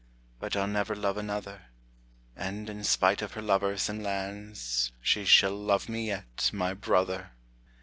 But I'll never love another, And, in spite of her lovers and lands, She shall love me yet, my brother!